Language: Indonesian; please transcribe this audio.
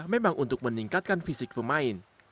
memang untuk meningkatkan fisik pemain